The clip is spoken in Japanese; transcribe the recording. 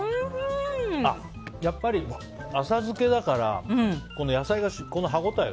やっぱり、浅漬けだから野菜の歯応えが。